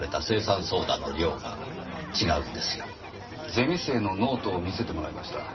ゼミ生のノートを見せてもらいました。